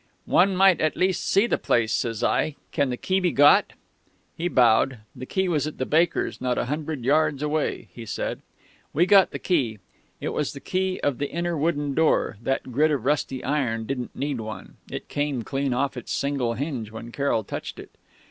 "'One might at least see the place,' says I. 'Can the key be got?' "He bowed. The key was at the baker's, not a hundred yards away, he said.... "We got the key. It was the key of the inner wooden door that grid of rusty iron didn't need one it came clean off its single hinge when Carroll touched it.